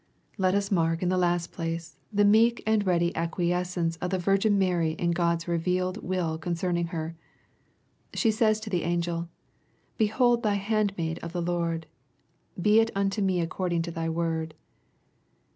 Let us mark, in the last place, the meek and ready ac^ quiescence of the Virgin Mary in Ood's revealed will con cerning her. She says to the angel, "Behold the hand maid of the Lord ; be it unto me according to thy word."